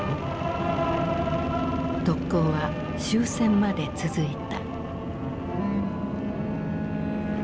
特攻は終戦まで続いた。